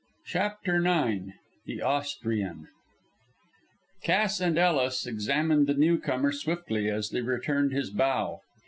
CHAPTER IX THE AUSTRIAN Cass and Ellis examined the new comer swiftly as they returned his bow.